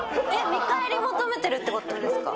見返り求めてるってことですか？